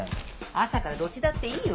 朝からどっちだっていいわよ。